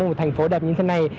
một thành phố đẹp như thế này